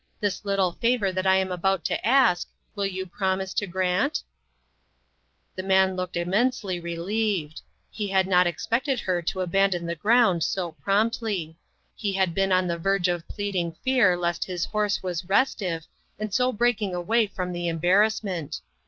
This little favor that I am about to ask, will you promise to grant ?" The young man looked immensely relieved. He had not expected her to abandon the SPREADING NETS. 265 ground so promptly ; he had been on the verge of pleading fear lest his horse was restive, and so breaking away from the em barrassment.